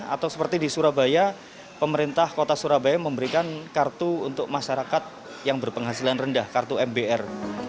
atau seperti di surabaya pemerintah kota surabaya memberikan kartu untuk masyarakat yang berpenghasilan rendah kartu mbr